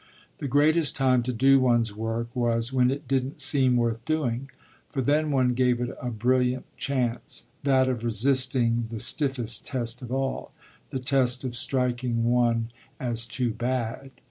The greatest time to do one's work was when it didn't seem worth doing, for then one gave it a brilliant chance, that of resisting the stiffest test of all the test of striking one as too bad.